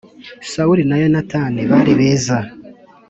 Sawuli na Yonatani bari beza